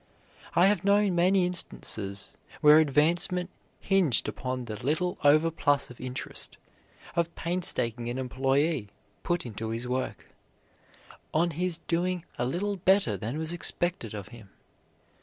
I have known many instances where advancement hinged upon the little overplus of interest, of painstaking an employee put into his work, on his doing a little better than was expected of him.